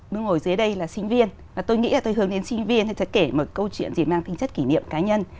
muốn ngồi dưới đây là sinh viên và tôi nghĩ là tôi hướng đến sinh viên thì tôi kể một câu chuyện gì mang tinh chất kỷ niệm cá nhân